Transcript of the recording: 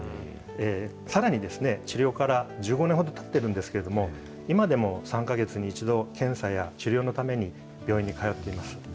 さらに治療から１５年ほどたってるんですけれども、今でも３か月に１度、検査や治療のために病院に通っています。